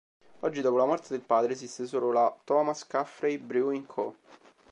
Oggi dopo la morte del padre esiste solo la "Thomas Caffrey Brewing Co.